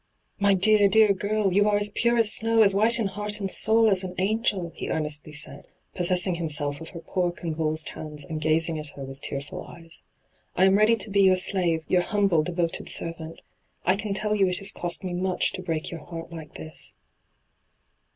'My dear, dear girl, you are as pure as snow, as white in heart and soul as an angel 1' he earnestly said, possessing himself of her poor convulsed hands and gazing at her with tearful eyes. I am ready to be your slave, your humble, devoted servant. I can tell you it has cost me much to break your heart like this.'